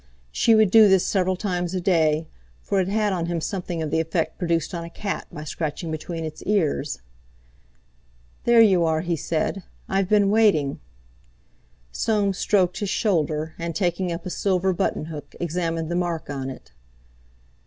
She would do this several times a day, for it had on him something of the effect produced on a cat by scratching between its ears. "There you are!" he said. "I've been waiting." Soames stroked his shoulder, and, taking up a silver button hook, examined the mark on it.